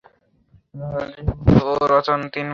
রাজু, রউফ ও রতন তিন বন্ধু।